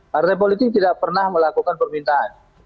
partai politik tidak pernah melakukan permintaan